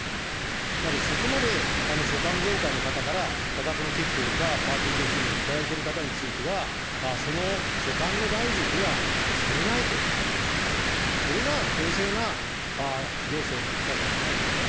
やはりそこまで所管業界の方から多額の寄付というか、パーティー券収入を頂いている方については、その所管の大臣には据えないと、それが公正な行政の在り方じゃないですか。